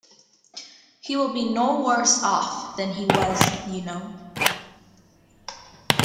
He will be no worse off than he was, you know.